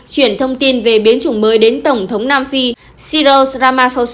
chuyển thông tin về biến chủng mới đến tổng thống nam phi siros ramaphosa